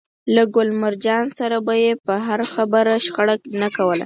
له ګل مرجان سره به يې پر هره خبره شخړه نه کوله.